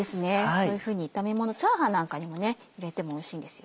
そういうふうに炒めものチャーハンなんかにもね入れてもおいしいんですよ。